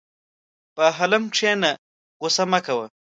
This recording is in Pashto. په حلم کښېنه، غوسه مه کوه.